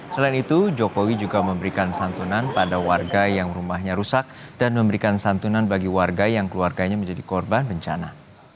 selain itu jokowi juga memberikan santunan pada warga yang rumahnya rusak dan memberikan santunan bagi warga yang keluarganya menjadi korban bencana